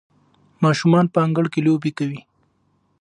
ماشومان په انګړ کې لوبې کولې.